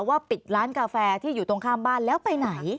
ปิดร้านกาแฟที่อยู่ตรงข้ามบ้านแล้วไปไหน